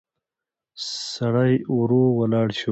سړی ورو ولاړ شو.